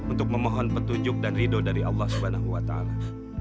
untuk memohon petunjuk dan ridho dari allah subhanahu wa ta'ala